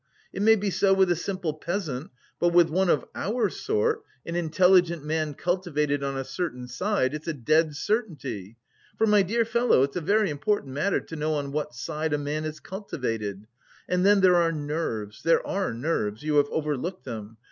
It may be so with a simple peasant, but with one of our sort, an intelligent man cultivated on a certain side, it's a dead certainty. For, my dear fellow, it's a very important matter to know on what side a man is cultivated. And then there are nerves, there are nerves, you have overlooked them!